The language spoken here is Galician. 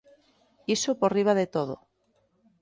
Iso por riba de todo.